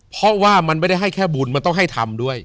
เพราะว่ามันไม่ได้ให้แค่บุญมันต้องให้ทำด้วย